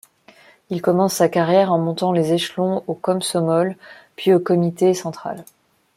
Il commence sa carrière en montant les échelons au Komsomol puis au comité central.